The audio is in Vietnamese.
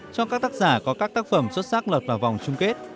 cho các tác giả có các tác phẩm xuất sắc lọt vào vòng chung kết